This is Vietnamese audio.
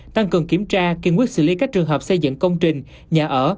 tăng cường kiểm tra kiên quyết xử lý các trường hợp xây dựng công trình nhà ở